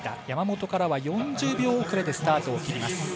山本からは４０秒遅れでスタートを切ります。